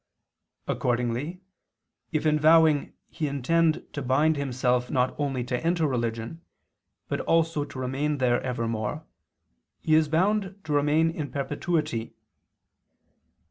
Accordingly if in vowing he intend to bind himself not only to enter religion, but also to remain there evermore, he is bound to remain in perpetuity.